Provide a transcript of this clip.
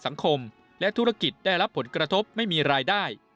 เนื่องจากไม่มีบัตรประกันสังคมและธุรกิจได้รับผลกระทบไม่มีรายได้